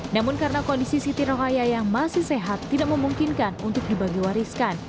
namun karena kondisi siti rokaya yang masih sehat tidak memungkinkan untuk dibagiwariskan